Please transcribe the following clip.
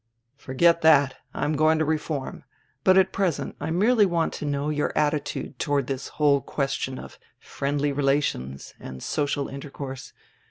"Forget tiiat, I am going to reform, but at present I merely want to know your attitude toward diis whole ques tion of friendly relations and social intercourse.